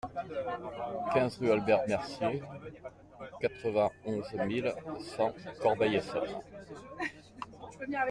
quinze rue Albert Mercier, quatre-vingt-onze mille cent Corbeil-Essonnes